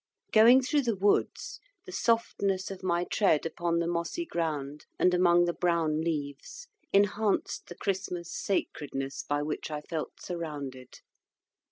Going through the woods, the softness of my tread upon the mossy ground and among the brown leaves enhanced the Christmas sacredness by which I felt surrounded.